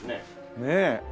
ねえ。